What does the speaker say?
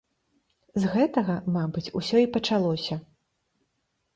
З гэтага, мабыць, усё і пачалося.